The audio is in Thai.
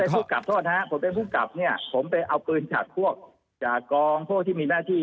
ผมเป็นผู้กลับทอดนะฮะผมเป็นผู้กลับเนี่ยผมไปเอากลืนจากพวกจากองพวกที่มีแม่ที่